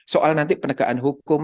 soal nanti penegaan hukum